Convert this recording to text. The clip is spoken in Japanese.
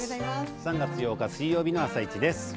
３月８日水曜日の「あさイチ」です。